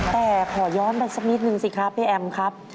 แต่ขอย้อนไปสักนิดนึงสิครับพี่แอมครับ